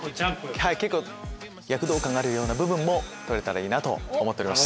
はい結構躍動感があるような部分も撮れたらいいなと思っております。